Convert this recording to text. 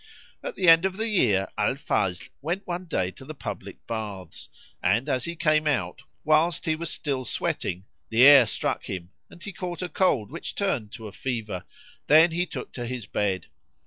At the end of the year Al Fazl went one day to the public baths; and, as he came out whilst he was still sweating, the air struck him[FN#20] and he caught a cold which turned to a fever; then he took to his bed.